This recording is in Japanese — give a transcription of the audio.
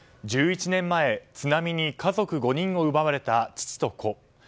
１１年前津波に家族５人を奪われた父と子。